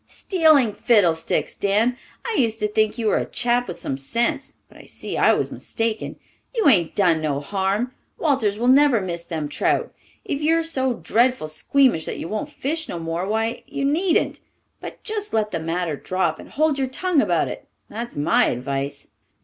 "Stealing, fiddlesticks! Dan, I used to think you were a chap with some sense, but I see I was mistaken. You ain't done no harm. Walters will never miss them trout. If you're so dreadful squeamish that you won't fish no more, why, you needn't. But just let the matter drop and hold your tongue about it. That's my advice."